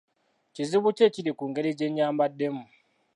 Kizibu ki ekiri ku ngeri gye nyambaddemu?